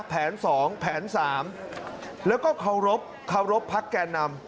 แผน๒แผน๓แล้วก็เคารพเคารพพักแก่นำ